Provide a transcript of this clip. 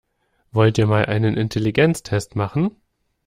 Wollt ihr mal einen Intelligenztest machen?